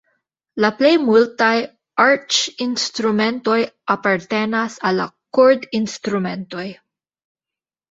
La plej multaj arĉinstrumentoj apartenas al la kordinstrumentoj.